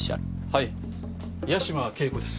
はい八島景子です。